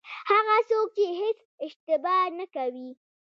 هغه څوک چې هېڅ اشتباه نه کوي.